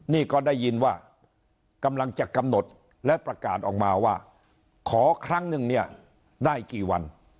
นี่ก็ได้ยินว่ากำลังจะกำหนดและประกาศออกมาว่าขอครั้งนึงเนี่ยได้กี่วัน